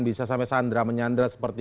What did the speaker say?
bisa sampai sandra menyandra seperti